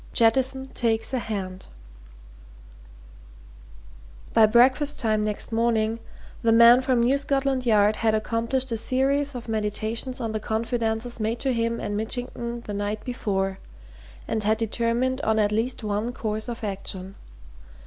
JETTISON TAKES A HAND By breakfast time next morning the man from New Scotland Yard had accomplished a series of meditations on the confidences made to him and Mitchington the night before and had determined on at least one course of action.